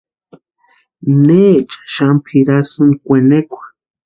¿Necha xani pʼirasïni kwenekwa?